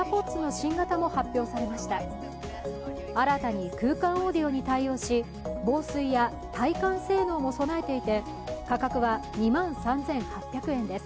新たに空間オーディオに対応し防水や耐汗性能も備えていて価格は２万３８００円です。